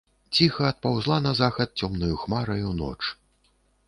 Ціха адпаўзла на захад цёмнаю хмараю ноч.